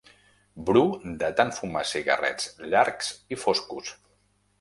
Bru de tant fumar cigarrets llargs i foscos.